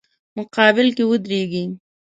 مقابل کې ودریږي.